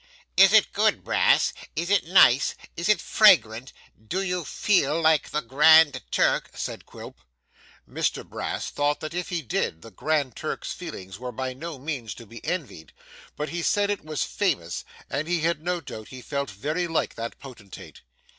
'Is it good, Brass, is it nice, is it fragrant, do you feel like the Grand Turk?' said Quilp. Mr Brass thought that if he did, the Grand Turk's feelings were by no means to be envied, but he said it was famous, and he had no doubt he felt very like that Potentate.